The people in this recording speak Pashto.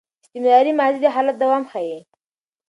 استمراري ماضي د حالت دوام ښيي.